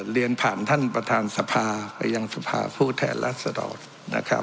เรียนผ่านท่านประธานสภาไปยังสภาผู้แทนรัศดรนะครับ